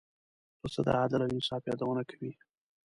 پسه د عدل او انصاف یادونه کوي.